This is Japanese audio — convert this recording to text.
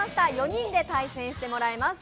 ４人で対戦してもらいます。